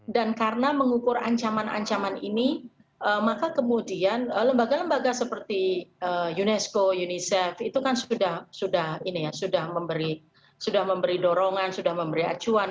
dan karena mengukur ancaman ancaman ini maka kemudian lembaga lembaga seperti unesco unicef itu kan sudah memberi dorongan sudah memberi acuan